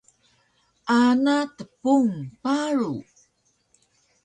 ana tpung paru